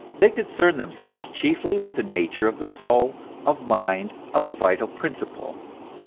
They concerned themselves chiefly with the nature of the soul, of mind, of the vital principle.